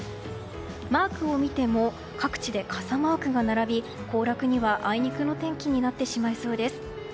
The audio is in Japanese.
マークを見ても各地で傘マークが並び行楽にはあいにくの天気になってしまいそうです。